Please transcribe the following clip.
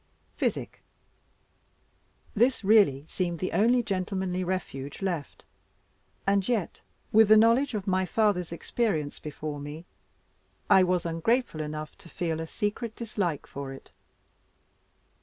Physic? This really seemed the only gentlemanly refuge left; and yet, with the knowledge of my father's experience before me, I was ungrateful enough to feel a secret dislike for it.